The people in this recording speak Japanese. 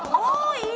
いい！